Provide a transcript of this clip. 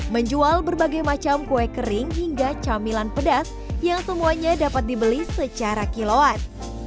menjual berbagai macam kue kering hingga camilan pedas yang semuanya dapat dibeli secara kiloan